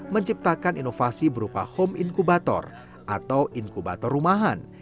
menciptakan inovasi berupa home inkubator atau inkubator rumahan